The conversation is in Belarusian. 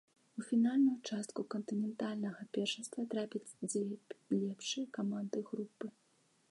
У фінальную частку кантынентальнага першынства трапяць дзве лепшыя каманды групы.